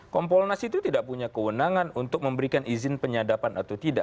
kompolnas itu tidak punya kewenangan untuk memberikan izin penyadapan atau tidak